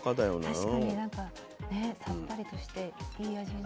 確かになんかねさっぱりとしていい味になりそう。